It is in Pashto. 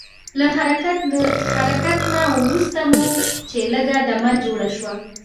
له حرکت نه وروسته مو چې لږ دمه جوړه شوه.